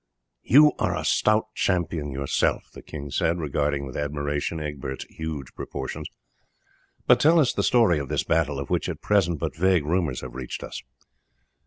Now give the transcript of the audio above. "You are a stout champion yourself," the king said, regarding with admiration Egbert's huge proportions; "but tell us the story of this battle, of which at present but vague rumours have reached us."